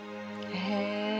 へえ。